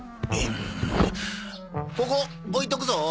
ここ置いとくぞ。